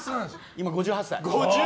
今、５８歳。